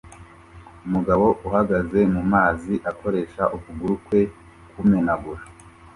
Umugabo uhagaze mumazi akoresha ukuguru kwe kumenagura